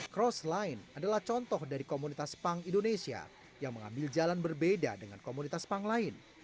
cross line adalah contoh dari komunitas punk indonesia yang mengambil jalan berbeda dengan komunitas punk lain